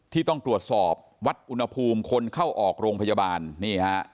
ต้องตรวจสอบวัดอุณหภูมิคนเข้าออกโรงพยาบาลนี่ฮะ